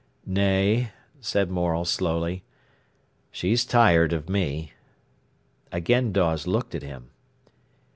"Nay," said Morel slowly; "she's tired of me." Again Dawes looked at him.